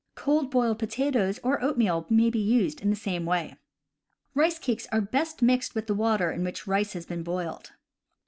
Cold boiled potatoes or oatmeal may be used in the same way. Rice cakes are best mixed with the water in which rice has been boiled.